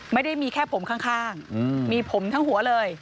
ไม่ได้มีแค่ผมข้างมีผมทั้งหัวเลย